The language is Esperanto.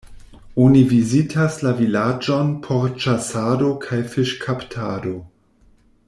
Oni vizitas la vilaĝon por ĉasado kaj fiŝkaptado.